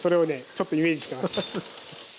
ちょっとイメージしてます。